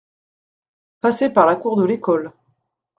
Passer par la cour de l’école.